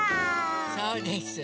そうです。